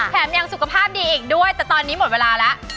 แถมยังสุขภาพดีอีกด้วยแต่ตอนนี้หมดเวลาแล้ว